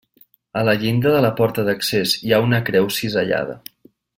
A la llinda de la porta d'accés hi ha una creu cisellada.